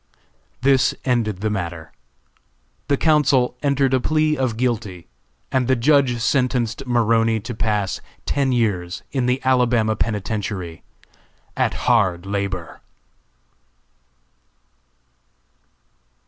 This ended the matter. The counsel entered a plea of guilty and the Judge sentenced Maroney to pass ten years in the Alabama Penitentiary, at hard labor.